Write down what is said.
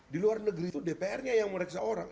di luar negeri itu dpr nya yang meriksa orang